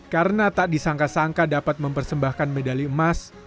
karena tak disangka sangka dapat mempersembahkan medali emas